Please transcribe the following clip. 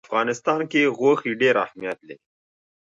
په افغانستان کې غوښې ډېر اهمیت لري.